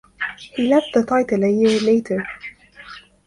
He left the title a year later.